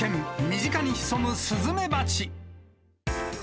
身近に潜むスズメバチ。